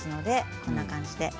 こんな感じで。